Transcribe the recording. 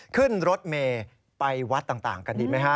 ขึ้นรถเมย์ไปวัดต่างกันดีไหมฮะ